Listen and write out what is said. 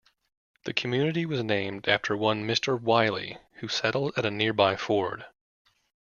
The community was named after one Mr. Wiley, who settled at a nearby ford.